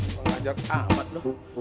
pengajar amat lu